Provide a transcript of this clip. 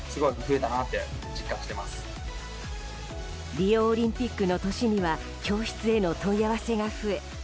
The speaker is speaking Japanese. リオオリンピックの年には教室への問い合わせが増え